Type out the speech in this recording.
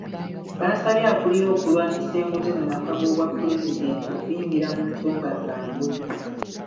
Basabye akulira okulwanyisa enguzi mu maka g'obwapulezidenti okuyingira mu nsonga zaabwe.